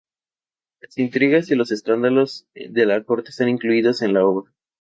Las intrigas y los escándalos de la corte están incluidos en la obra.